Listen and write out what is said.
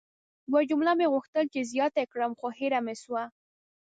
یوه جمله مې غوښتل چې زیاته ېې کړم خو هیره مې سوه!